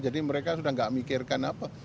jadi mereka sudah tidak memikirkan apa